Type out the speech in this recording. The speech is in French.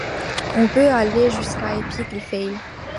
on peut aller jusqu'à «Epic Fail».